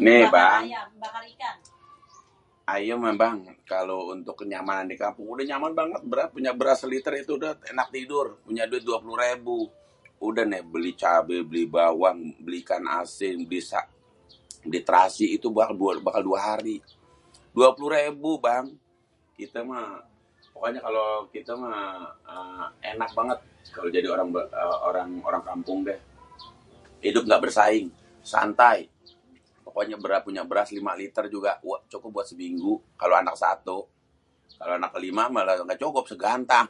nih bang.. ayé mah bang kalo untuk kenyamanan di kampung udah nyaman banget beneran.. punya beras seliter tuh udah enak tidur.. punya duit dua puluh rébu, udah nih beli cabé, beli bawang, beli ikan asin, bisa beli térasi, itu bakal dua hari.. dua puluh rébu bang.. kité mah pokoknya kité mah enak banget kalo jadi orang kampung déh.. idup ngga bersaing.. santai.. pokoknya punya beras lima liter juga cukup buat seminggu kalo anak satu.. kalo anak lima mah cukupnya segantang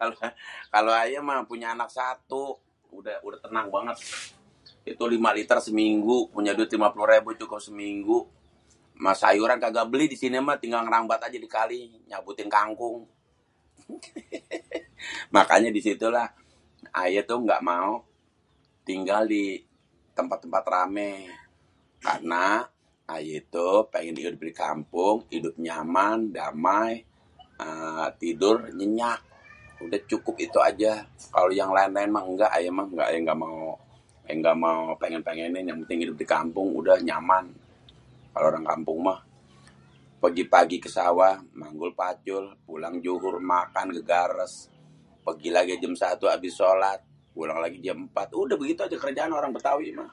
[haha].. kalo ayé mah punya anak satu udah tenang banget.. itu lima liter seminggu punya duit lima puluh rebu cukup seminggu.. mah sayuran ngga beli di sini mah tinggal ngérambat di kali.. nyabutin kangkung [haha].. makanya di situ lah ayé tuh ngga mau tinggal di tempat-tempat ramé.. karena ayé tuh pengen idup di kampung, idup nyaman, damai, tidur nyényak.. udah cukup itu aja.. kalo yang laén-laén ngga ayé mah.. ngga mau pengen-pengenin yang penting idup di kampung udah nyaman.. kalo orang di kampung mah pagi-pagi manggul pacul ké sawah, pulang dhuhur, makan gegares, pegi lagi jam satu abis sholat, pulang lagi jam émpat.. udah begitu aja kerjaan orang Bétawi mah..